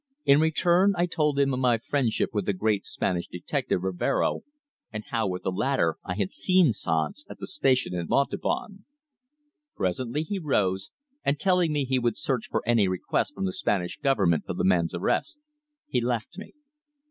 In return, I told him of my friendship with the great Spanish detective Rivero, and how, with the latter, I had seen Sanz at the station at Montauban. Presently he rose, and telling me he would search for any request from the Spanish Government for the man's arrest, he left me.